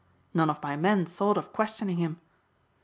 None of my men thought of questioning him.